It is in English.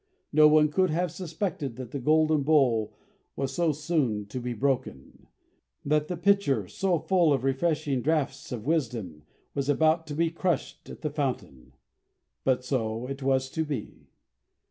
No one could have suspected that the golden bowl was so soon to be broken; that the pitcher, still so full of the refreshing draughts of wisdom, was about to be crushed at the fountain. But so it was to be.